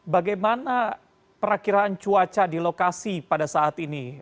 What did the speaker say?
bagaimana perakhiran cuaca di lokasi pada saat ini